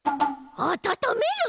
あたためる！？